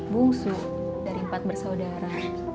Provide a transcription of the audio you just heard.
bungsu dari empat bersaudara